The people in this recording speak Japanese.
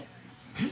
えっ？